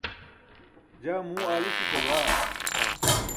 jaa muu aalu ṣuc̣abaa